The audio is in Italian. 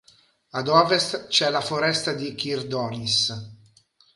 Ad ovest c'è la foresta di Kirdonys.